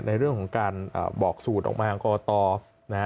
ในเรื่องของการบอกสูตรออกมาก่อนต่อ